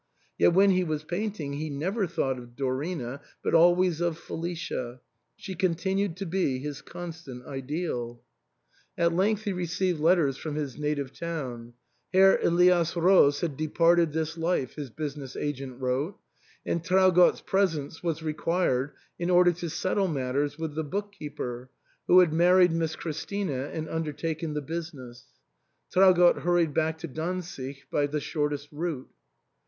Yet when he was painting he never thought of Dorina, but always of Felicia ; she continued to be his constant ideal. 356 ARTHUR'S HALL. At length he received letters from his native town* Herr Elias Roos had departed this life, his business agent wrote, and Traugott's presence was required in order to settle matters with the book keeper, who had married Miss Christina and undertaken the business. Traugott hurried back to Dantzic by the shortest route.